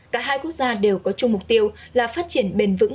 cả hai quốc gia đều có chung mục tiêu là phát triển bền vững